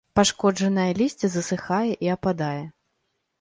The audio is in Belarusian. Пашкоджанае лісце засыхае і ападае.